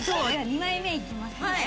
２枚目いきますね。